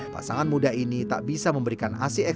pasangan muda ini tak bisa memberikan asean untuk mereka